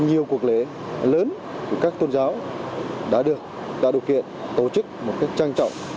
nhiều cuộc lễ lớn của các tôn giáo đã được đã được kiện tổ chức một cách trang trọng